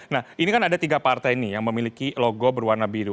nah ini kan ada tiga partai ini yang memiliki logo berwarna biru